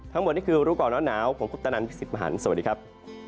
ทั้งหมดนี่คือรูปกรณ์น้ำหนาวผมพุทธนันทร์พิสิทธิ์มหารสวัสดีครับ